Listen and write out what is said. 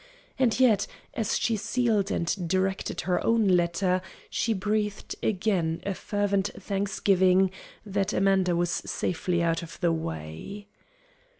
And yet, as she sealed and directed her own letter, she breathed again a fervent thanksgiving that Amanda was safely out of the way.